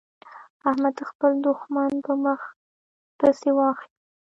احمد خپل دوښمن په مخه پسې واخيست.